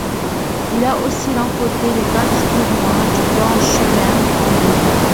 Il a aussi remporté les quatre tournois du Grand Chelem en double.